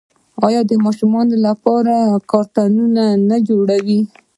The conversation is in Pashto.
آیا د ماشومانو لپاره کارتونونه نه جوړوي؟